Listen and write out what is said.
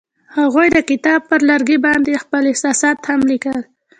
هغوی د کتاب پر لرګي باندې خپل احساسات هم لیکل.